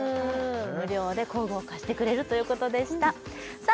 無料で工具を貸してくれるということでしたさあ